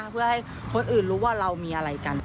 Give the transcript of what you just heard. เพื่อให้คนอื่นรู้ว่าเรามีอะไรกัน